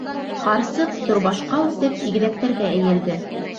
Ҡарсыҡ, түрбашҡа үтеп, игеҙәктәргә эйелде: